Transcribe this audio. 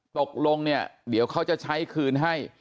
ตกลงเนี่ยเดี๋ยวเขาจะใช้คืนให้